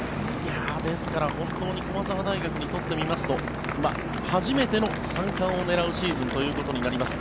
ですから駒澤大学にとってみますと初めての３冠を狙うシーズンになります。